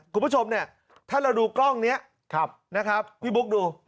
คุณผู้ชมเนี่ยถ้าเราดูกล้องนี้นะครับพี่บุ๊คดู